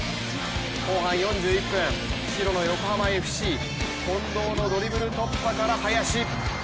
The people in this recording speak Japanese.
後半４１分、白の横浜ＦＣ、近藤のドリブル突破から林。